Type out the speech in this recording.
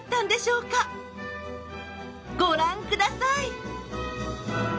ご覧ください。